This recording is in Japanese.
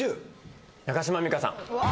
中島美嘉さん。